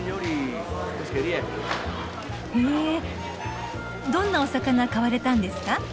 へえどんなお魚買われたんですか？